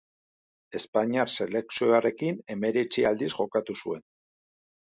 Espainiar selekzioarekin hemeretzi aldiz jokatu zuen.